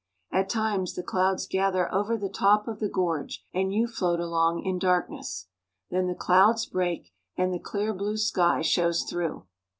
At times the clouds gather over the top of the gorge, and you float along in darkness. Then the clouds break, and the clear blue sky shows through.